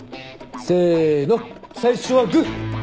せーの最初はグー！